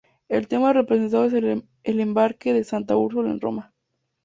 El tema representado es el embarque de santa Úrsula en Roma.